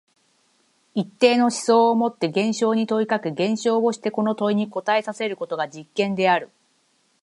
一定の思想をもって現象に問いかけ、現象をしてこの問いに答えさせることが実験である。